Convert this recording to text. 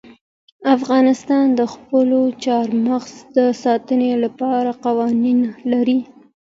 افغانستان د خپلو چار مغز د ساتنې لپاره قوانین لري.